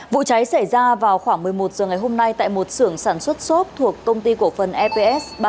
vụ cháy xảy ra vào khoảng một mươi một h ngày hôm nay tại một sưởng sản xuất xốp thuộc công ty cổ phần eps ba trăm sáu mươi năm